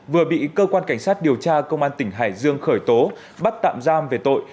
vừa bị cơ quan cảnh sát điều tra công an tỉnh hải dương khởi tố bắt tạm giam về tội